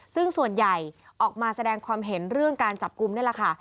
ซึ่งส่วนใหญ่ออกมาแสดงความเห็นเรื่องการจับกลุ่มนี่แหละค่ะ